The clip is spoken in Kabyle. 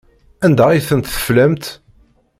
Anda ay tent-teflamt?